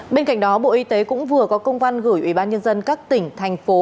bên cạnh đó bộ y tế cũng vừa có công văn gửi ủy ban nhân dân các tỉnh thành phố